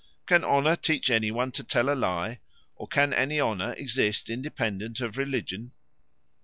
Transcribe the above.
Can honour teach any one to tell a lie, or can any honour exist independent of religion?"